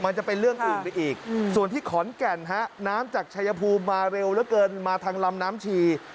จะเป็นเรื่องอื่นไปอีกส่วนที่ขอนแก่นฮะน้ำจากชายภูมิมาเร็วเหลือเกินมาทางลำน้ำชี